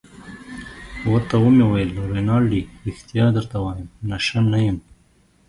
ورته ومې ویل: رینالډي ريښتیا درته وایم، نشه نه یم.